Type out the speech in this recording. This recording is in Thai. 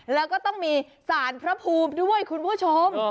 แล้วก็ต้องมีสารพระภูมิด้วยคุณผู้ชม